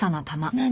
何？